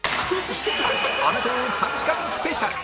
『アメトーーク』３時間スペシャル